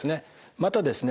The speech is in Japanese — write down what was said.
またですね